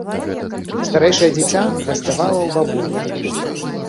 Старэйшае дзіця гасцявала ў бабулі.